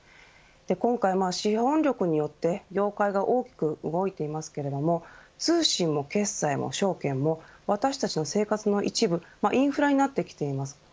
今回、資本力によって業界が大きく動いていますけれど通信も決済も証券も私たちの生活の一部インフラになってきています。